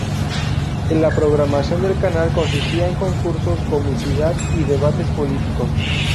La programación del canal consistía en concursos, comicidad y debates políticos.